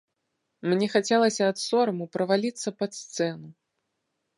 Мне хацелася ад сораму праваліцца пад сцэну.